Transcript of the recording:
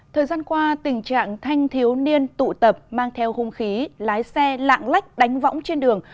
thời gian qua tình trạng thanh thiếu niên tụ tập mang theo hung khí lái xe lạng lách đánh võng trên đường